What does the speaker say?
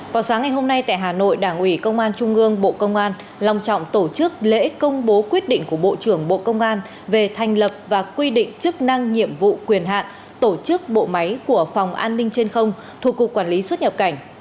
vào sáng ngày hôm nay tại hà nội đảng ủy công an trung ương bộ công an lòng trọng tổ chức lễ công bố quyết định của bộ trưởng bộ công an về thành lập và quy định chức năng nhiệm vụ quyền hạn tổ chức bộ máy của phòng an ninh trên không thuộc cục quản lý xuất nhập cảnh